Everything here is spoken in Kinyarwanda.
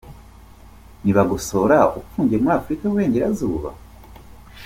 Ni Bagosora ufungiye muri Afurika y’uburengerazuba?